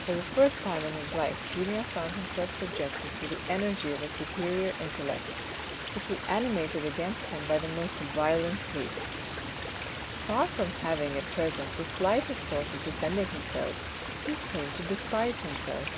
For the first time in his life Julien found himself subjected to the energy of a superior intellect, which was animated against him by the most violent hate. Far from having at present the slightest thought of defending himself, he came to despise himself.